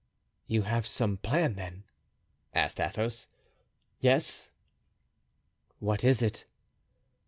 "You have some plan, then?" asked Athos. "Yes." "What is it?"